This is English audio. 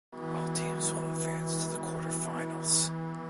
All teams will advance to the quarterfinals.